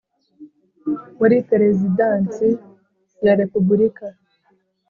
muri Perezidansi ya Repubulika